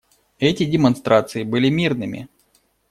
Эти демонстрации были мирными.